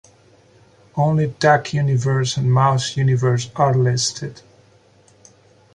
Only Duck universe and Mouse universe are listed.